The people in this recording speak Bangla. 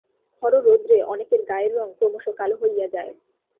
খর রৌদ্রে অনেকের গায়ের রঙ ক্রমশ কালো হইয়া যায়।